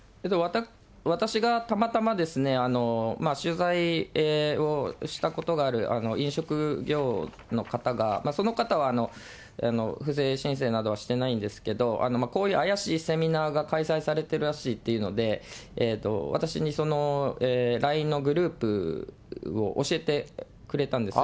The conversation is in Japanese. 私がたまたま取材をしたことがある飲食業の方が、その方は不正申請などはしてないんですけど、こういう怪しいセミナーが開催されてるらしいというので、私にそのＬＩＮＥのグループを教えてくれたんです。